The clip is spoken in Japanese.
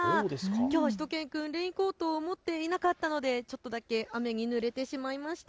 きょうはしゅと犬くん、レインコートを持っていなかったのでちょっとだけ雨にぬれてしまいました。